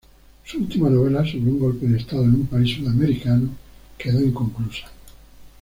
Su última novela, sobre un golpe de estado en un país sudamericano, quedó inconclusa.